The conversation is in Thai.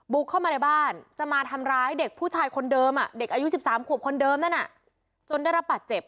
เข้ามาในบ้านจะมาทำร้ายเด็กผู้ชายคนเดิมเด็กอายุ๑๓ขวบคนเดิมนั่นจนได้รับบาดเจ็บ